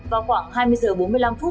vào khoảng hai mươi h bốn mươi năm